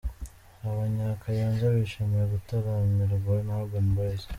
Abanya-Kayonza bishimiye gutaramirwa na Urban Boys.